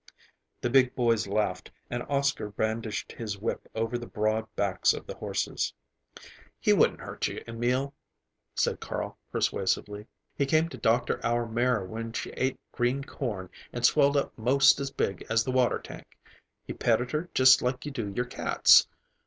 The big boys laughed, and Oscar brandished his whip over the broad backs of the horses. "He wouldn't hurt you, Emil," said Carl persuasively. "He came to doctor our mare when she ate green corn and swelled up most as big as the water tank. He petted her just like you do your cats.